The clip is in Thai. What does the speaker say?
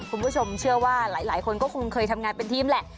คุณผู้ชมเชื่อว่าหลายคนก็คงเคยทำงานเป็นทีมแหละ